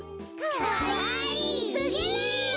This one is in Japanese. かわいすぎる。